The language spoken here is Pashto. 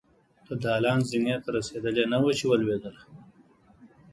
د دالان زينې ته رسېدلې نه وه چې ولوېدله.